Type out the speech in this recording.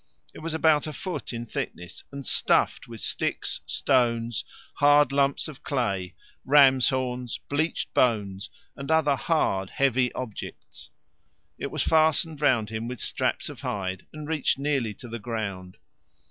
It was about a foot in thickness and stuffed with sticks, stones, hard lumps of clay, rams' horns, bleached bones, and other hard heavy objects; it was fastened round him with straps of hide, and reached nearly to the ground.